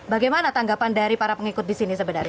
bagaimana tanggapan dari para pengikut di sini sebenarnya